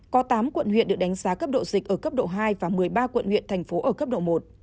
có tám quận huyện được đánh giá cấp độ dịch ở cấp độ hai và một mươi ba quận huyện thành phố ở cấp độ một